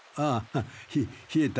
ひ冷えた